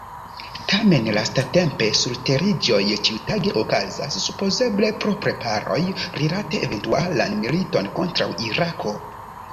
Tamen lastatempe la surteriĝoj ĉiutage okazas, supozeble pro preparoj rilate eventualan militon kontraŭ Irako.